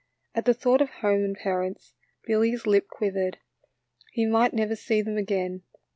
At the thought of home and parents, Billy's lip quivered, — he might never see them again.